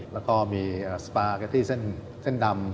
แล้วก็มีสปาเกตตี้เส้นดำ